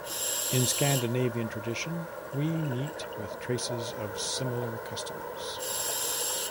In Scandinavian tradition we meet with traces of similar customs.